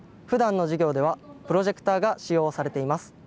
ふだんの授業ではプロジェクターが使用されています。